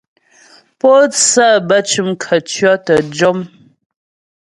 Pǒtsə bə́ cʉm khətʉɔ̌ tə́ jɔm.